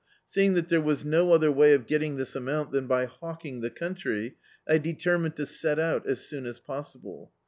Seeing that there was no other way of getting this amount than by hawking the country, I determined to set out as soon as possible.